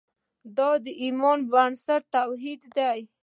د ایمان بنسټ توحید دی.